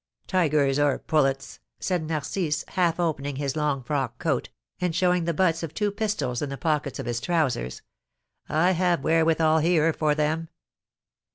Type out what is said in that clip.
"Tigers or pullets," said Narcisse, half opening his long frock coat, and showing the butts of two pistols in the pockets of his trousers, "I have wherewithal here for them."